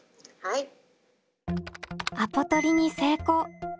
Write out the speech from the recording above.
アポ取りに成功！